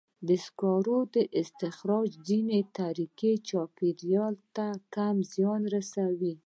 د سکرو د استخراج ځینې طریقې چاپېریال ته کم زیان رسوي.